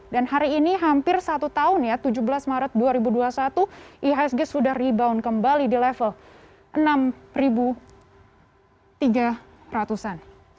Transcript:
dan hari ini hampir satu tahun ya tujuh belas maret dua ribu dua puluh satu ihsg sudah rebound kembali di level enam tiga ratus an